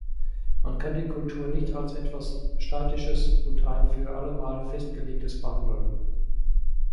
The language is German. Man kann die Kultur nicht als etwas Statisches und ein für allemal Festgelegtes behandeln.